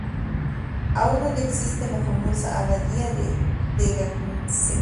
Aún hoy existe la famosa Abadía de Tegernsee.